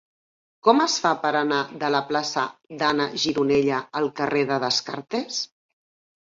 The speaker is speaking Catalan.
Com es fa per anar de la plaça d'Anna Gironella al carrer de Descartes?